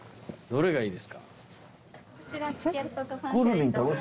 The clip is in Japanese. どれがいいですか？